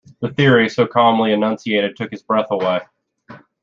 The theory so calmly enunciated took his breath away.